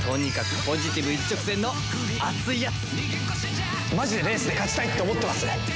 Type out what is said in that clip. とにかくマジでレースで勝ちたいって思ってます。